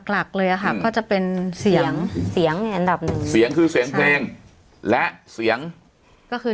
หลักเลยอะค่ะก็จะเป็นเสียงเสียงเนี่ยอันดับหนึ่งเสียงคือเสียงเพลงและเสียงก็คือ